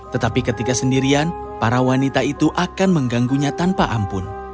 tetapi ketika sendirian para wanita itu akan mengganggunya tanpa ampun